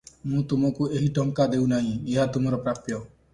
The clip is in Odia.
ମୁଁ ତୁମଙ୍କୁ ଏହି ଟଙ୍କା ଦେଉ ନାହିଁ- ଏହା ତୁମର ପ୍ରାପ୍ୟ!